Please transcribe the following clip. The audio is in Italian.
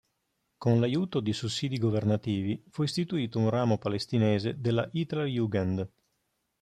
Con l'aiuto di sussidi governativi fu istituito un ramo palestinese della Hitlerjugend.